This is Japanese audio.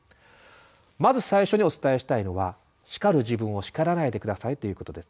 まず最初にお伝えしたいのは「叱る自分を叱らないでください」ということです。